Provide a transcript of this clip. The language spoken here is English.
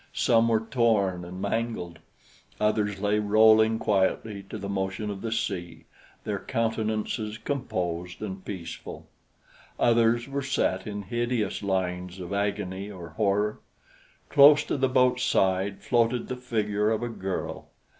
Some were torn and mangled; others lay rolling quietly to the motion of the sea, their countenances composed and peaceful; others were set in hideous lines of agony or horror. Close to the boat's side floated the figure of a girl.